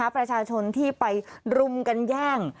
ประชาชนที่ไปรุมกันแย่ง